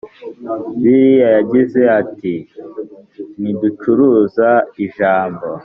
bibiliya yagize ati ntiducuruza ijambo.